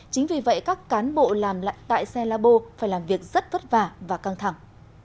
chính vì vậy các cán bộ làm lại tại xe labo phải làm việc rất vất vả và căng thẳng